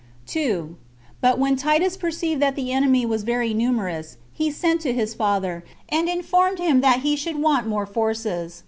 2. But when Titus perceived that the enemy was very numerous, he sent to his father, and informed him that he should want more forces.